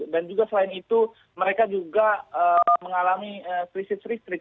dan juga selain itu mereka juga mengalami krisis listrik